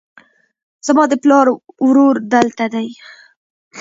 زما د پلار ورور دلته دی